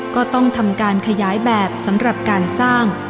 ก็ต้องทำการขยายแบบสำหรับการสร้าง